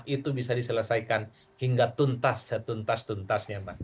itu bisa diselesaikan hingga tuntas setuntas tuntasnya mbak